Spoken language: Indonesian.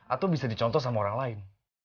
atau bisa dicontoh sama orang lain